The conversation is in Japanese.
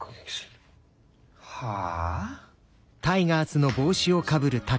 はあ？